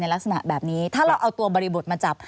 ลักษณะแบบนี้ถ้าเราเอาตัวบริบทมาจับ